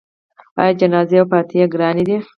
آیا جنازې او فاتحې ګرانې دي؟